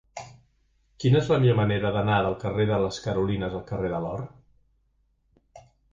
Quina és la millor manera d'anar del carrer de les Carolines al carrer de l'Or?